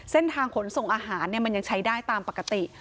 เส้นทางขนส่งอาหารมันยังใช้ได้ตามปกติ